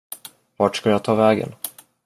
Vart ska jag ta vägen?